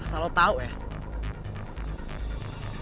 asal lo tau ya